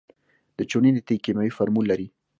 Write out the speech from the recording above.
د چونې د تیږې کیمیاوي فورمول لري.